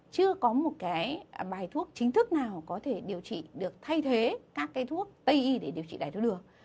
chưa có một cái bài thuốc chính thức nào có thể điều trị được thay thế các cái thuốc tây y để điều trị đài thuốc lừa